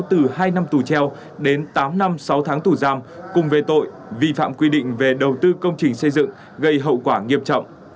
từ hai năm tù treo đến tám năm sáu tháng tù giam cùng về tội vi phạm quy định về đầu tư công trình xây dựng gây hậu quả nghiêm trọng